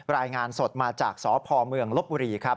รายงานสดมาจากสพเมืองลบบุรีครับ